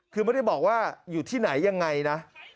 คือไม่ได้บอกว่าอยู่ที่ไหนยังไงนะ